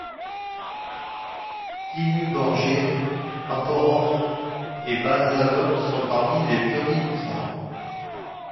Dimmu Borgir, Emperor et Bal-Sagoth sont parmi les pionniers du genre.